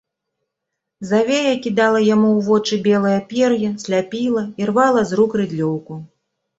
Завея кідала яму ў вочы белае пер'е, сляпіла, ірвала з рук рыдлёўку.